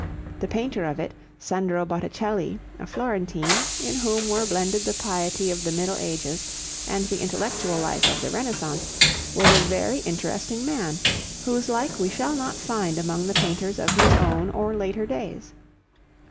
The painter of it, Sandro Botticelli, a Florentine, in whom were blended the piety of the Middle Ages and the intellectual life of the Renaissance, was a very interesting man, whose like we shall not find among the painters of his own or later days.